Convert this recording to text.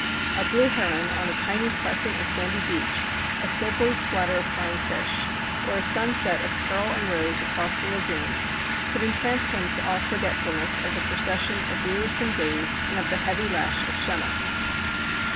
A blue heron on a tiny crescent of THE CHINAGO i6i sandy beach, a silvery splatter of flying fish, or a sunset of pearl and rose across the lagoon, could entrance him to all forgetfulness of the procession of wearisome days and of the heavy lash of Schemmer.